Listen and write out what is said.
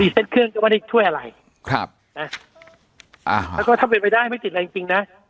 รีเซ็นเครื่องว่านี่ช่วยอะไรแล้วก็ถ้าเป็นไว้ได้ไม่ติดอะไรจริงนะ